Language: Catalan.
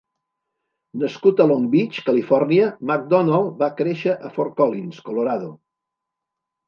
Nascut a Long Beach, Califòrnia, McDonald va créixer a Fort Collins, Colorado.